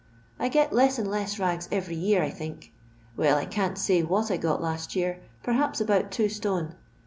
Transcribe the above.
I get less and less rags every year, I think. Well, I can't say what I got last year ; perhaps about two stone.